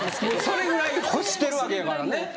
それぐらい欲してるわけやからね。